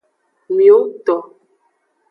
Miwongto.